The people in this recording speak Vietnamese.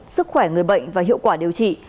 sức khỏe người bệnh và hiệu quả điều trị